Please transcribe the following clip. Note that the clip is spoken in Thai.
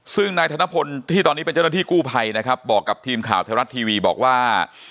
ซึ่งนายธนพลที่ตอนนี้เป็นเจ้าหน้าที่กู้ภัยนะครับบอกกับทีมข่าวไทยรัฐทีวีบอกว่า